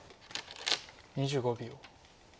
２５秒。